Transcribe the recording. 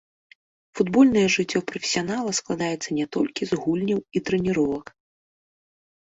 Футбольнае жыццё прафесіянала складаецца не толькі з гульняў і трэніровак.